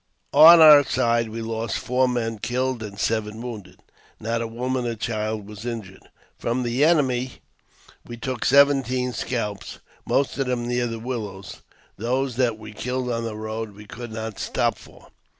On our side we lost four men killed and seven wounded. Not a woman or child was injured. From the enemy we took seventeen scalps, most of them near the willows ; those that we killed on the road we could not stop for.